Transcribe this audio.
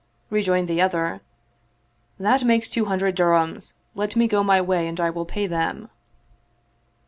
Rejoined the other, "That makes two hundred dirhams; let me go my way and I will pay them."